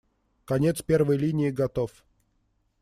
Конец первой линии готов.